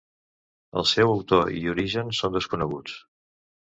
El seu autor i origen són desconeguts.